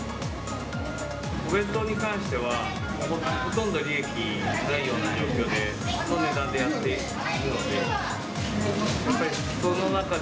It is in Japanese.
お弁当に関しては、ほとんど利益ないような状況の値段でやっているので。